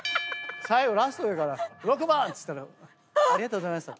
ラスト言うから６番っつったら「ありがとうございました」